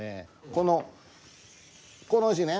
このこの字ね。